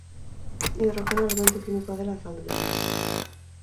Hidrogenoa elementu kimikoa dela azaldu digu.